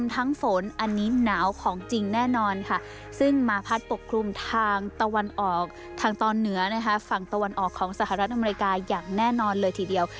ทางตะวันออกของสหรัฐอเมริกาอย่างแน่นอนเลยทีเดียว